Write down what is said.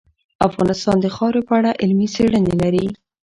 افغانستان د خاوره په اړه علمي څېړنې لري.